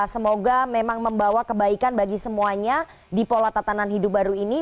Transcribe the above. semoga memang membawa kebaikan bagi semuanya di pola tatanan hidup baru ini